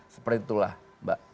seperti itulah mbak